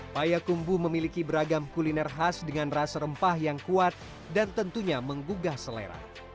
payakumbu memiliki beragam kuliner khas dengan rasa rempah yang kuat dan tentunya menggugah selera